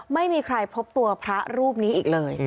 ไม่มีใครพบตัวพระรูปนี้อีกเลย